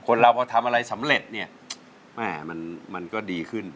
เราพอทำอะไรสำเร็จเนี่ยแม่มันก็ดีขึ้น